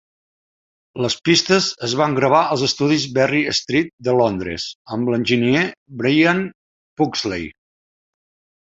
Les pistes es van gravar als estudis Berry Street de Londres amb l'enginyer Brian Pugsley.